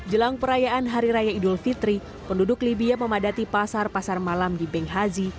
jelang perayaan hari raya idul fitri penduduk libya memadati pasar pasar malam di benghazi